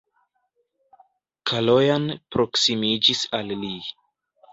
Kalojan proksimiĝis al li.